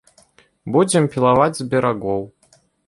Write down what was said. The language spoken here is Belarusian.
Будзем пілаваць з берагоў.